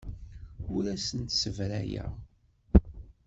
Ur asen-ssebrayeɣ.